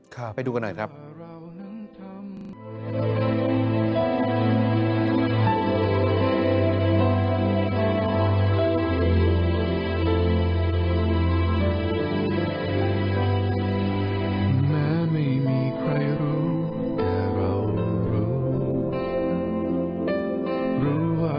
ไปดูกันหน่อยครับ